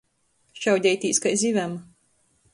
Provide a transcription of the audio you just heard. Šaudeitīs kai zivem.